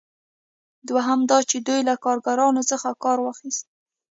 دوهم دا چې دوی له کاریګرانو څخه کار واخیست.